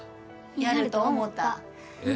やると思たえっ？